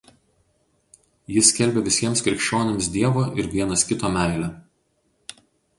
Jis skelbė visiems krikščionims Dievo ir vienas kito meilę.